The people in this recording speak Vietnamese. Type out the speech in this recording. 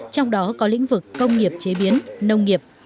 trong đó có lĩnh vực công nghiệp chế biến nông nghiệp